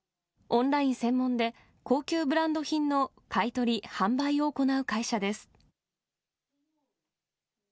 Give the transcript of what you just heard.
オンライン専門で高級ブランド品の買い取り・販売を行う会社です。